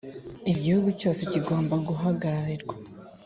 igihugu cyose kigomba guhagararirwa.